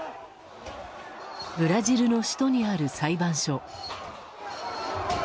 ブラジルの首都にある裁判所。